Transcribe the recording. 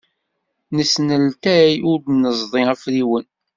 Nesneltay ur d-neẓḍi afriwen.